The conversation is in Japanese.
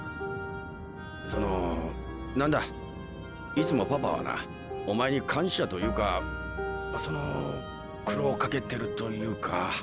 いつもパパはなお前に感謝というかその苦労かけてるというか。